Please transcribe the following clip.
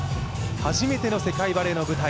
初めての世界バレーの舞台